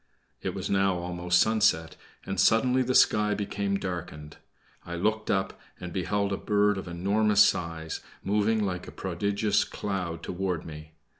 It was now almost sunset, and suddenly the sky became darkened. I looked up and beheld a bird of enormous size, moving like a prodigious cloud toward me.